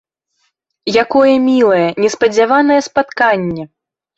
Якое мілае, неспадзяванае спатканне!